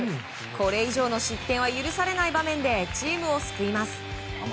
これ以上の失点は許されない場面で、チームを救います。